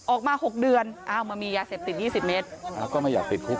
ออกมาหกเดือนอ้าวมันมียาเสพติดยี่สิบเมตรอ้าวก็ไม่อยากติดคุก